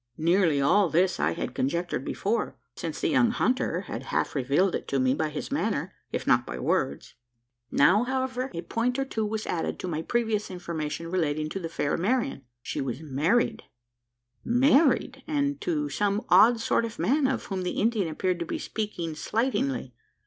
Nearly all this I had conjectured before: since the young hunter had half revealed it to me by his manner, if not by words. Now, however, a point or two was added to my previous information relating to the fair Marian. She was married. Married and to some odd sort of man, of whom the Indian appeared to speak slightingly.